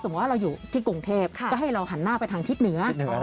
ว่าเราอยู่ที่กรุงเทพก็ให้เราหันหน้าไปทางทิศเหนือ